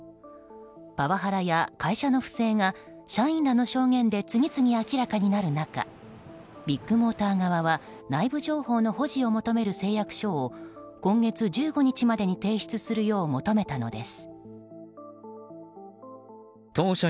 パワハラや会社の不正が社員らの証言で次々明らかになる中ビッグモーター側は内部情報の保持を求める誓約書を今月１５日までに提出するよう求めたのです。